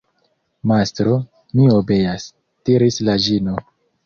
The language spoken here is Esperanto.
Mastro, mi obeas, diris la ĝino.